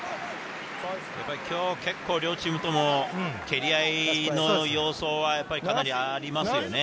今日、結構、両チームとも蹴り合いの様相はかなりありますよね。